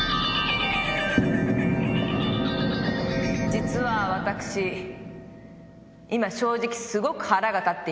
実は私今正直すごく腹が立っています。